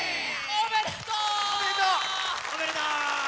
おめでとう！